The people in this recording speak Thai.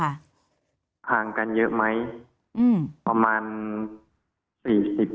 ห่างกันเยอะไหมประมาณ๔๐นิตได้